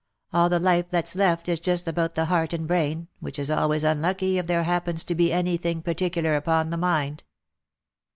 All the life that's left is just about the heart and brain, which is always unlucky if there happens to be any thing particular upon the mind."